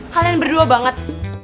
kalian berdua banget